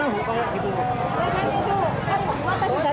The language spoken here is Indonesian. sebelumnya pedagang pasar tidak pernah membuat alatyoung wajah hanya memakai masker